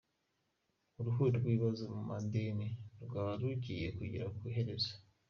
Uruhuri rw’ibibazo Mu madini rwaba rugiye kugera ku iherezo